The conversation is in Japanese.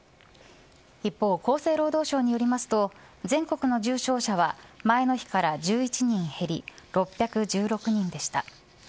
一方、厚生労働省によりますと全国の重症者は前の日から１１人減り６１６人でした。